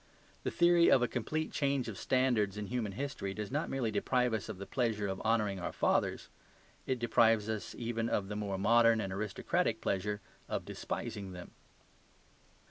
The theory of a complete change of standards in human history does not merely deprive us of the pleasure of honouring our fathers; it deprives us even of the more modern and aristocratic pleasure of despising them.